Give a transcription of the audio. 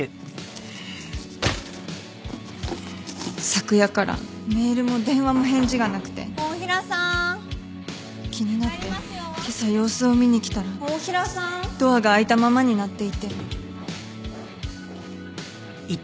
昨夜からメールも電話も返事がなくて気になって今朝様子を見に来たらドアが開いたままになっていて。